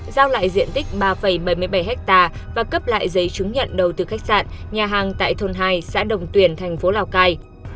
giao lại diện tích ba bảy mươi bảy ha và cấp lại giấy chứng nhận đầu tư khách sạn nhà hàng tại thôn hai xã đồng tuyển thành phố lào cai